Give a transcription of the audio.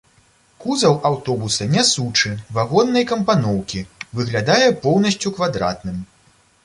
Кузаў аўтобуса нясучы, вагоннай кампаноўкі, выглядае поўнасцю квадратным.